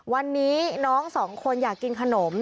วันนี้น้องสองคนอยากกินขนม